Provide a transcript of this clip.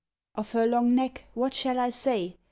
Of her long neck what shall I say?